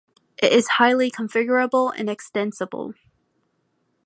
It is highly configurable and extensible.